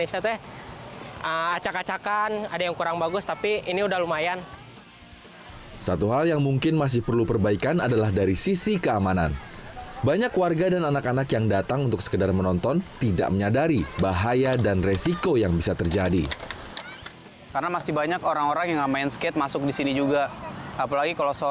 fijian fiji adalah sebuah kejuaraan di kalijodo